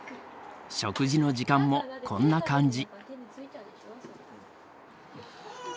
食事の時間もこんな感じ。